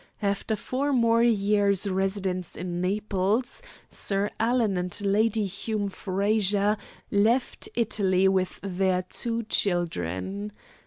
After four more years' residence in Naples, Sir Alan and Lady Hume Frazer left Italy with their two children.